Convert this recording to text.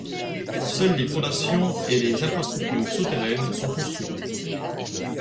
Seules les fondations et les infrastructures souterraines sont construites.